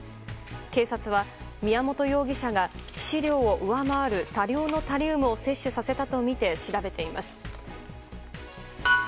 警察は宮本容疑者が致死量を上回る多量のタリウムを摂取させたとみて調べています。